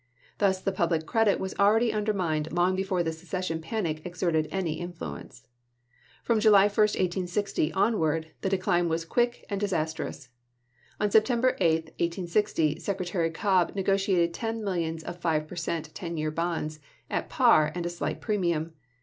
Thus the public credit was already undermined long before the secession panic exerted any influence. From July 1, 1860, onward, the decline was quick and dis astrous. On September 8, 1860, Secretary Cobb ne gotiated ten millions of five per cent, ten year bonds *?$]eim' at par and a slight premium.